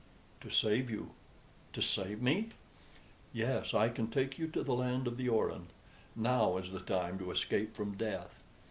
"To save you." "To save me?" "Yes. I can take you to the land of the Orin. Now is the time to escape from death.